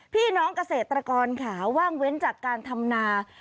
พี่น้องเกษตรกรค่ะว่างเว้นจากการทำนา